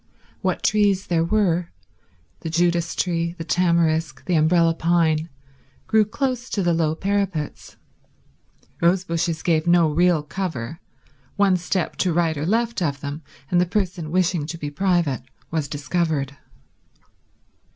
What trees there were—the Judas tree, the tamarisk, the umbrella pine—grew close to the low parapets. Rose bushes gave no real cover; one step to right or left of them, and the person wishing to be private was discovered.